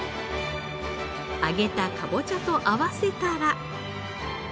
揚げたかぼちゃと合わせたら。